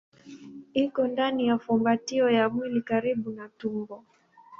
Iko ndani ya fumbatio ya mwili karibu na tumbo.